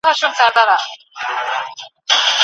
پوهه د کامیابۍ یوازینۍ لاره ده.